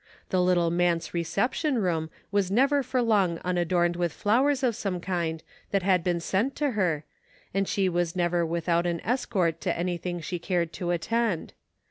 The little manse reception room was never for long imadomed with flowers of some kind 251 THE FINDING OF JASPER HOLT that had been sent to her, and she was never without an escort to anything she cared to attend.